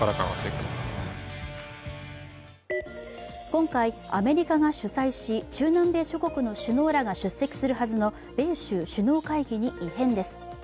今回、アメリカが主催し中南米諸国の首脳らが出席するはずの米州首脳会議に異変です。